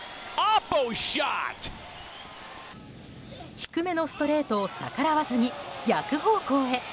低めのストレートを逆らわずに逆方向へ。